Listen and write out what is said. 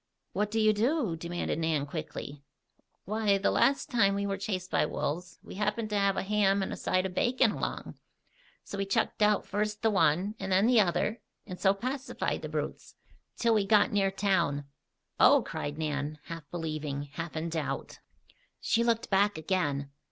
"What do you do?" demanded Nan quickly. "Why, the last time we were chased by wolves, we happened to have a ham and a side of bacon along. So we chucked out first the one, and then the other, and so pacified the brutes till we got near town." "Oh!" cried Nan, half believing, half in doubt. She looked back again.